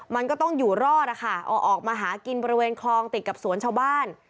มันก็ต้องอยู่รอดอะค่ะเอาออกมาหากินบริเวณคลองติดกับสวนชาวบ้าน